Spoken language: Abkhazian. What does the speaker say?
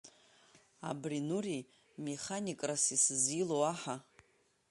Абри Нури механикрас исызилоу аҳа!